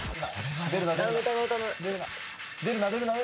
・出るな出るな。